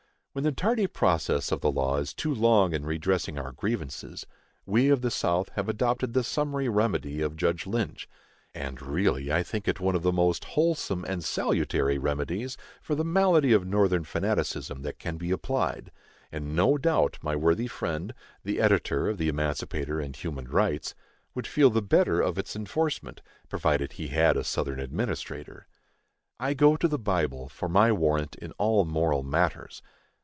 When the tardy process of the law is too long in redressing our grievances, we of the South have adopted the summary remedy of Judge Lynch—and really I think it one of the most wholesome and salutary remedies for the malady of Northern fanaticism that can be applied, and no doubt my worthy friend, the Editor of the Emancipator and Human Rights, would feel the better of its enforcement, provided he had a Southern administrator. I go to the Bible for my warrant in all moral matters.